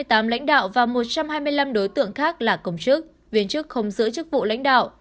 theo đó có hai mươi tám lãnh đạo và một trăm hai mươi năm đối tượng khác là công chức viên chức không giữ chức vụ lãnh đạo